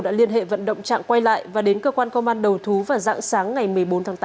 đã liên hệ vận động trạng quay lại và đến cơ quan công an đầu thú và giãn sáng ngày một mươi bốn tháng tám